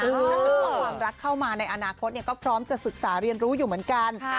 ความรักเข้ามาในอนาคตเนี่ยก็พร้อมจะศึกษาเรียนรู้อยู่เหมือนกัน